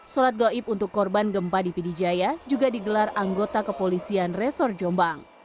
sholat goib untuk korban gempa di pidijaya juga digelar anggota kepolisian resor jombang